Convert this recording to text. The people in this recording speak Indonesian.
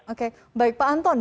oke baik pak anton